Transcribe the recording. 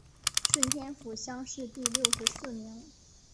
顺天府乡试第六十四名。